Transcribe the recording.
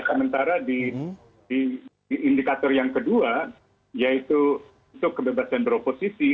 sementara di indikator yang kedua yaitu untuk kebebasan beroposisi